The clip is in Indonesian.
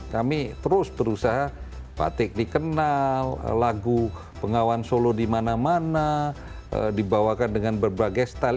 kami terus berusaha batik dikenal lagu pengawan solo dimana mana dibawakan dengan berbagai style